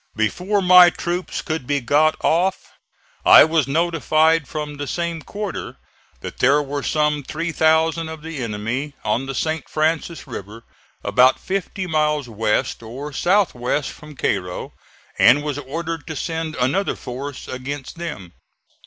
Before my troops could be got off, I was notified from the same quarter that there were some 3,000 of the enemy on the St. Francis River about fifty miles west, or south west, from Cairo, and was ordered to send another force against them.